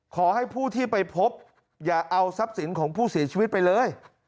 ขอให้ผู้ที่ไปพบอย่าเอาทรัพย์สินของผู้เสียชีวิตไปเลย